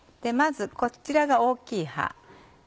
まずこちらが大きい葉。